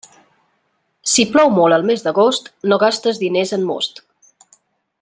Si plou molt al mes d'agost, no gastes diners en most.